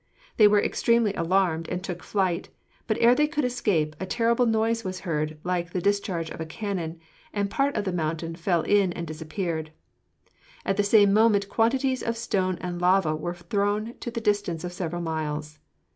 They were extremely alarmed and took to flight, but ere they could escape a terrific noise was heard, like the discharge of cannon, and part of the mountain fell in and disappeared. At the same moment quantities of stones and lava were thrown to the distance of several miles.